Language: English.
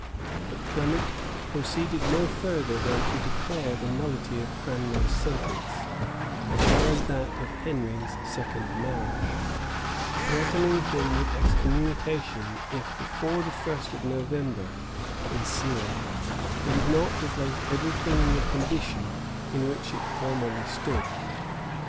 But Clement proceeded no further than to declare the nullity of Cranmer's sentence, as well as that of Henry's second marriage; threatening him with excommunication, if before the first of November ensuing he did not replace every thing in the condition in which it formerly stood.